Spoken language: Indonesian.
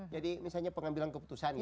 jadi misalnya pengambilan keputusan gitu